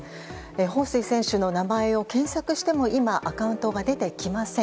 ホウ・スイ選手の名前を検索しても今、アカウントが出てきません。